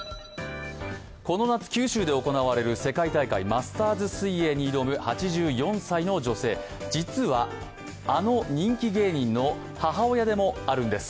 この夏、九州で行われる世界大会、マスターズ水泳に挑む８４歳の女性、実は、あの人気芸人の母親でもあるんです。